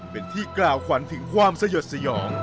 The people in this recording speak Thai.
เป็นที่กล่าวขวัญถึงความสยดสยอง